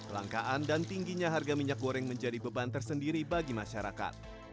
langkaan dan tingginya harga minyak goreng menjadi beban tersendiri bagi masyarakat